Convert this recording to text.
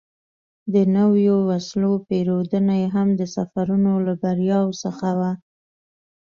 د نویو وسلو پېرودنه یې هم د سفرونو له بریاوو څخه وه.